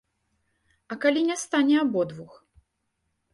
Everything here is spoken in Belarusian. А калі не стане абодвух?